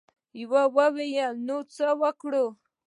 يوه وويل: نو څه وکو؟